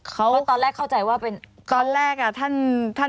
เขาตอนแรกเข้าใจว่าเพียง